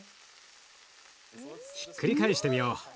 ひっくり返してみよう。